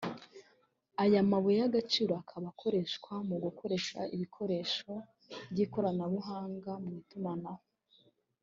Aya mabuye y’agaciro akaba akoreshwa mu gukora ibikoresho by’ikoranabuhanga mu itumanaho